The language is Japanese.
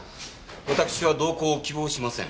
わたくしは同行を希望しません。